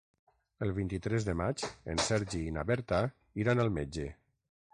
El vint-i-tres de maig en Sergi i na Berta iran al metge.